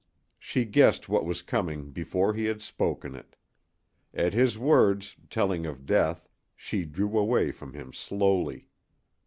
She guessed what was coming before he had spoken it. At his words, telling of death, she drew away from him slowly.